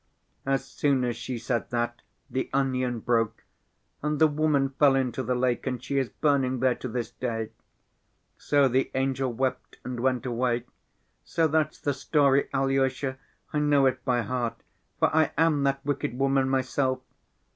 As soon as she said that, the onion broke. And the woman fell into the lake and she is burning there to this day. So the angel wept and went away. So that's the story, Alyosha; I know it by heart, for I am that wicked woman myself.